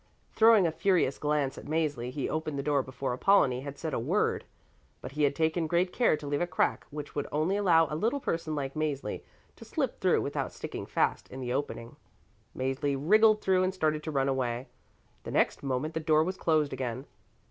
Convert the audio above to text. Throwing a furious glance at Mäzli, he opened the door before Apollonie had said a word. But he had taken great care to leave a crack which would only allow a little person like Mäzli to slip through without sticking fast in the opening. Mäzli wriggled through and started to run away. The next moment the door was closed again.